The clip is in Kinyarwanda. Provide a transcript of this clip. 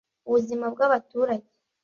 ubuzima bw’abaturage